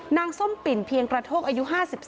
นางส้มปิ่นเพียงประโทษอายุ๕๔